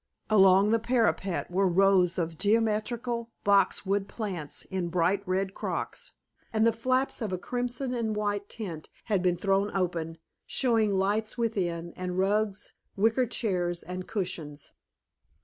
Along the parapet were rows of geometrical boxwood plants in bright red crocks, and the flaps of a crimson and white tent had been thrown open, showing lights within, and rugs, wicker chairs, and cushions.